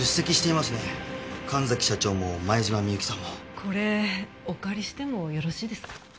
これお借りしてもよろしいですか？